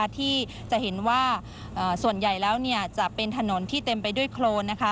ที่จะเห็นว่าส่วนใหญ่แล้วจะเป็นถนนที่เต็มไปด้วยโครน